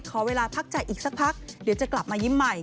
ขอเวลาพักใจอีกสักพักเดี๋ยวจะกลับมายิ้มใหม่